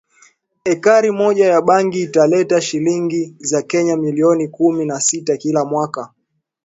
Ekari moja ya bangi italeta shilingi za Kenya milioni kumi na sita kila mwaka